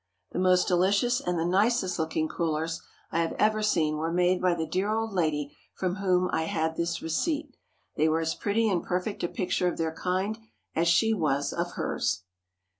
The most delicious and the nicest looking crullers I have ever seen were made by the dear old lady from whom I had this receipt. They were as pretty and perfect a picture of their kind as she was of hers.